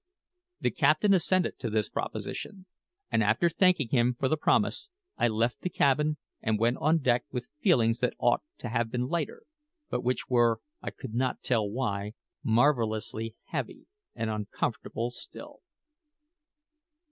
The captain assented to this proposition; and after thanking him for the promise, I left the cabin and went on deck with feelings that ought to have been lighter, but which were, I could not tell why, marvellously heavy and uncomfortable still.